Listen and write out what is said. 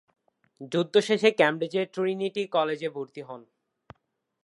যুদ্ধশেষে কেমব্রিজের ট্রিনিটি কলেজে ভর্তি হন।